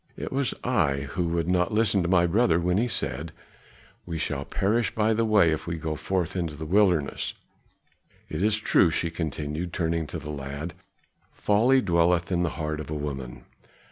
"It was I who would not listen to my brother when he said, 'we shall perish by the way if we go forth into the wilderness.' It is true," she continued, turning to the lad, "folly dwelleth in the heart of a woman.